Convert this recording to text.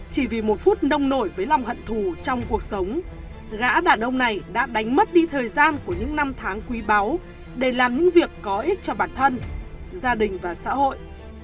chỉ vì một phút nông nổi với lòng hận thù trong cuộc sống gã đàn ông này đã đánh mất đi thời gian của những năm tháng quý báu để làm những việc có ích cho bản thân gia đình và xã hội